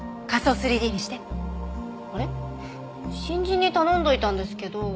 新人に頼んでおいたんですけど。